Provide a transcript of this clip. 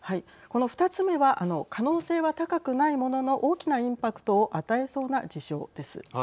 この２つ目は可能性は高くないものの大きなインパクトを与えそうな事象です。